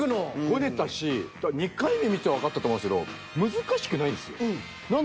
ごねたし２回目見てわかったと思うんですけど難しくないんですよ。